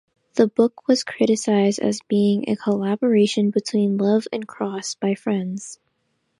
The book was criticized as being a collaboration between Love and Cross by friends.